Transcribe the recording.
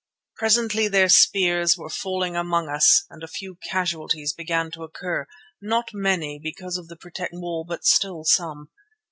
Presently their spears were falling among us and a few casualties began to occur, not many, because of the protecting wall, but still some.